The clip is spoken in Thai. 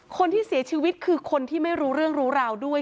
คนที่เสียชีวิตคือคนที่ไม่รู้เรื่องรู้ราวด้วย